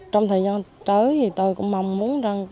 trong thời gian tới thì tôi cũng mong muốn rằng